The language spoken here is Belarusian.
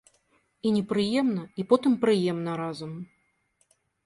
І непрыемна і потым прыемна разам.